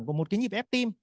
của một cái nhịp ép tim